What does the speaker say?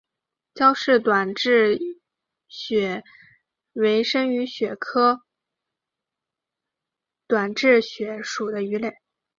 焦氏短稚鳕为深海鳕科短稚鳕属的鱼类。